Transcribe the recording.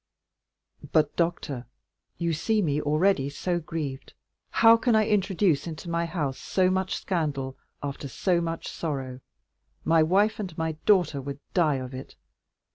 But, doctor, you see me already so grieved—how can I introduce into my house so much scandal, after so much sorrow? My wife and my daughter would die of it!